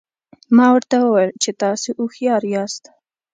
ما ورته وویل چې تاسي هوښیار یاست.